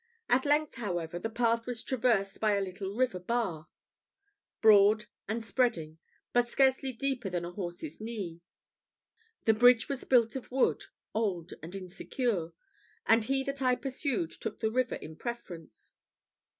At length, however, the path was traversed by the little river Bar, broad and spreading, but scarcely deeper than a horse's knee. The bridge was built of wood, old and insecure; and he that I pursued took the river in preference.